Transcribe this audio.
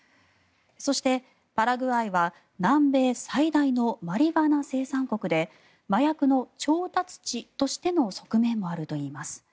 そして、パラグアイは南米最大のマリファナ生産国で麻薬の調達地としての側面もあるといいます。